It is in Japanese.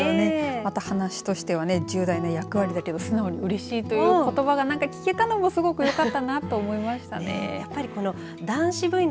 また話としては重大な役割だけど役目だけど素直にうれしいということばを聞けたのもよかったのかなと思います。